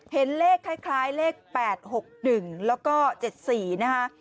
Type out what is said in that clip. เห็นเลขคล้ายเลข๘๖๑แล้วก็๗๔นะคะ